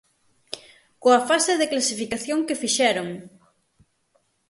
Coa fase de clasificación que fixeron!